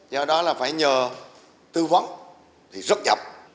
do đó là phải nhờ thư vấn thì rớt nhập